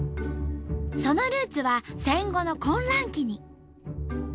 そのルーツは戦後の混乱期に。